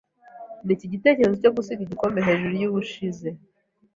Niki gitekerezo cyo gusiga igikombe hejuru yubushize?